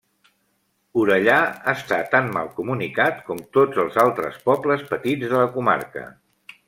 Orellà està tan mal comunicat com tots els altres pobles petits de la comarca.